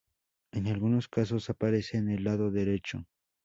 En algunos casos, aparece en el lado derecho.